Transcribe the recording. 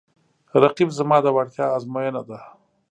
رقیب زما د وړتیا ازموینه ده